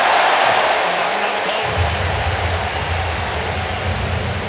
ワンアウト！